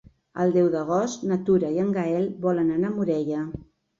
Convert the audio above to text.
El deu d'agost na Tura i en Gaël volen anar a Morella.